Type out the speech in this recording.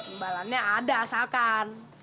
imbalannya ada asalkan